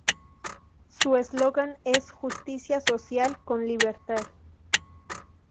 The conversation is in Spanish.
Su eslogan es "Justicia social con libertad".